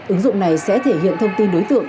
ứng dụng này sẽ thể hiện thông tin đối tượng